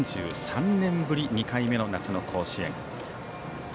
３３年ぶり２回目の夏の甲子園。